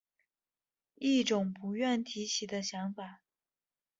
一种不愿提起的想法